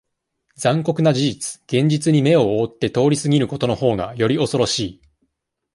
残酷な事実、現実に目を覆って通り過ぎることの方が、より、恐ろしい。